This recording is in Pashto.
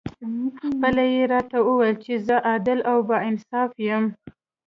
خپله یې راته وویل چې زه عادل او با انصافه یم.